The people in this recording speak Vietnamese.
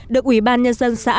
được ubnd xã